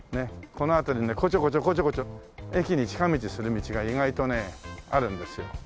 この辺りにこちょこちょこちょこちょ駅に近道する道が意外とねあるんですよ。